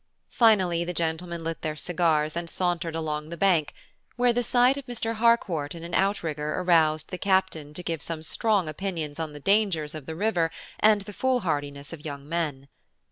Finally, the gentlemen lit their cigars, and sauntered along the bank, where the sight of Mr. Harcourt in an out rigger roused the Captain to give some strong opinions on the dangers of the river and the foolhardiness of young men.